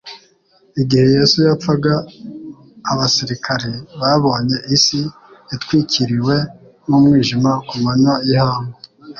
Igihe Yesu yapfaga abasirikari babonye isi itwikiriwe n'umwijima ku manywa y'ihangu;